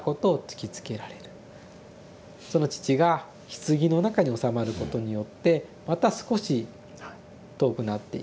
その父がひつぎの中に納まることによってまた少し遠くなっていく。